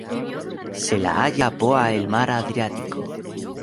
Se la halla poa el mar Adriático.